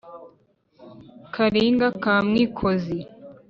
karinga ka mwikozi,